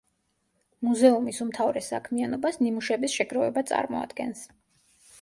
მუზეუმის უმთავრეს საქმიანობას ნიმუშების შეგროვება წარმოადგენს.